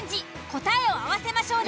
答えを合わせましょう！